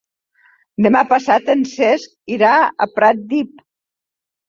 Demà passat en Cesc irà a Pratdip.